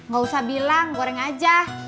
gak usah bilang goreng aja